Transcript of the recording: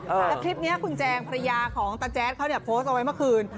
แล้วคลิปนี้คุณแจงภรรยาของตาแจ๊ดเขาเนี่ยโพสต์เอาไว้เมื่อคืน